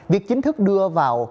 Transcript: việc chính thức đưa vào